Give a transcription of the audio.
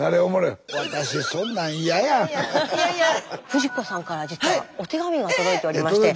フヂ子さんから実はお手紙が届いておりまして。